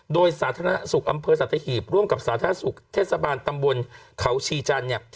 โดยสาธารณสุขอำเภอสัตหีบร่วมกับสาธารณสุขเทศบาลตำบลเขาชีจันทร์เนี่ย